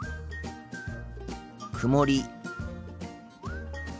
曇り。